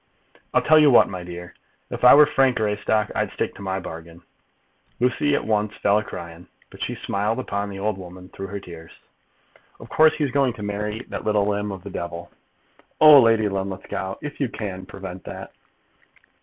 "I'll tell you what, my dear. If I were Frank Greystock, I'd stick to my bargain." Lucy at once fell a crying, but she smiled upon the old woman through her tears. "Of course he's going to marry that little limb of the devil." "Oh, Lady Linlithgow, if you can, prevent that!"